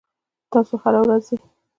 تاسو هره ورځ ځئ؟